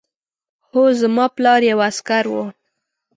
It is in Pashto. هو زما پلار یو عسکر و